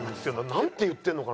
なんて言ってるのかな？